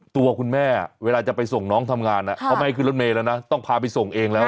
ตัวคุณแม่เวลาจะไปส่งน้องทำงานเขาไม่ให้ขึ้นรถเมย์แล้วนะต้องพาไปส่งเองแล้ว